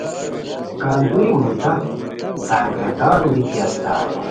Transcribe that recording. کندوری مودا سرگردان بیتی استائے